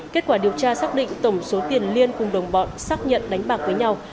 kết quả điều tra xác định tổng số tiền liên cùng đồng bọn xác nhận đánh bạc với nhau